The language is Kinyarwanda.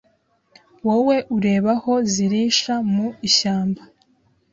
Wowe ureba aho zirisha mu ishyamba